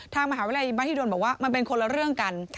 ทางมหาวิทยาลัยมหิดลบอกว่ามันเป็นคนละเรื่องกัน